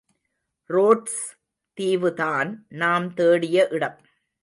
Roads தீவுதான் நாம் தேடிய இடம்.